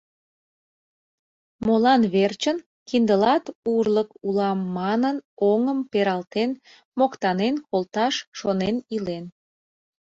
Молан верчын Киндылат урлык улам!» манын, оҥым пералтен, моктанен колташ шонен илен.